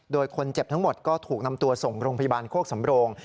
โดยคนเจ็บทั้งหมดก็ถูกนำตัวส่งโรงพยาบาลโคกสำโรง